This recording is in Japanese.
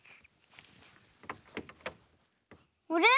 あれ？